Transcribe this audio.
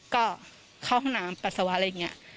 ก็เข้าห้องน้ำปัสสาวะอะไรอย่างนี้